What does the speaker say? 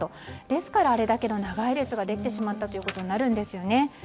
ですから、あれだけの長い列ができてしまったということになるんですよね。